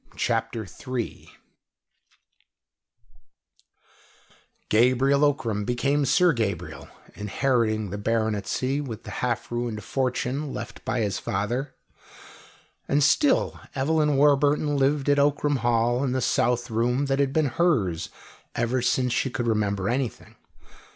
CHAPTER III Gabriel Ockram became Sir Gabriel, inheriting the baronetcy with the half ruined fortune left by his father, and still Evelyn Warburton lived at Ockram Hall, in the south room that had been hers ever since she could remember anything.